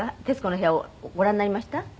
『徹子の部屋』をご覧になりました？